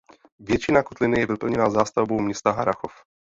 Většina kotliny je vyplněna zástavbou města Harrachov.